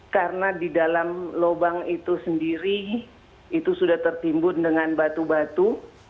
karena di dalam lubang itu sendiri itu sudah tertimbun dengan batu batu